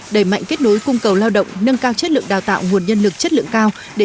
đẩy mạnh kết nối cung cầu lao động nâng cao chất lượng đào tạo nguồn nhân lực chất lượng cao để